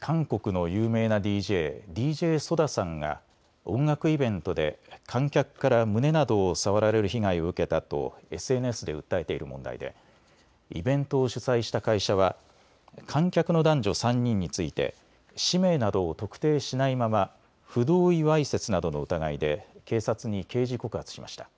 韓国の有名なＤＪ、ＤＪＳＯＤＡさんが音楽イベントで観客から胸などを触られる被害を受けたとＳＮＳで訴えている問題でイベントを主催した会社は観客の男女３人について氏名などを特定しないまま不同意わいせつなどの疑いで警察に刑事告発しました。